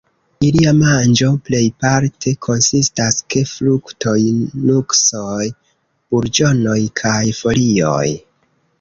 Ilia manĝo plejparte konsistas ke fruktoj, nuksoj, burĝonoj kaj folioj.